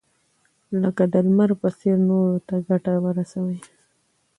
لکه د لمر په څېر نورو ته ګټه ورسوئ.